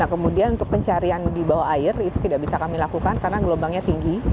kemudian untuk pencarian di bawah air itu tidak bisa kami lakukan karena gelombangnya tinggi